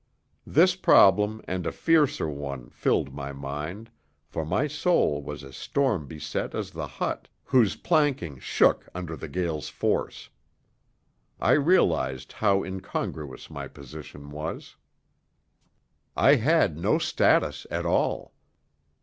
This problem and a fiercer one filled my mind, for my soul was as storm beset as the hut, whose planking shook under the gale's force. I realized how incongruous my position was. I had no status at all.